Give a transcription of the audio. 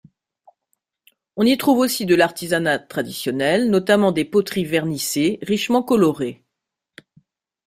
On y trouve aussi de l'artisanat traditionnel, notamment des poteries vernissées richement colorées.